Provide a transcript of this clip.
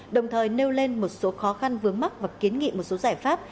đồng thời nêu lên một số khó khăn vướng mắc và kiến nghị một số giải pháp